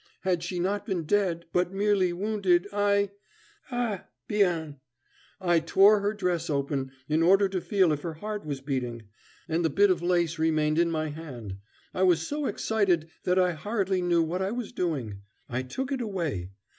"Had she not been dead, but merely wounded, I Eh, bien! I tore her dress open, in order to feel if her heart was beating, and the bit of lace remained in my hand. I was so excited that I hardly knew what I was doing. I took it away.